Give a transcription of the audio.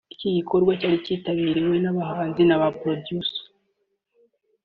Iki gikorwa cyari cyitabiriwe n’abahanzi n’aba Producer